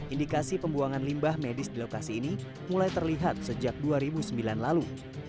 indikasi pembuangan limbah medis di lokasi ini mulai terlihat sejak dua ribu sembilan lalu